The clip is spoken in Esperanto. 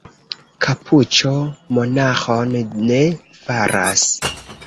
Kapuĉo monaĥon ne faras.